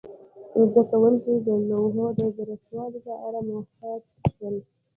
زده کوونکي د لوحو د درستوالي په اړه محتاط شول.